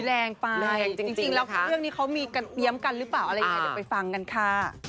แรงไปจริงแล้วเรื่องนี้เขามีกันเอี๊ยมกันหรือเปล่าอะไรยังไงเดี๋ยวไปฟังกันค่ะ